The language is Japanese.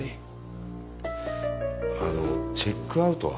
あのチェックアウトは？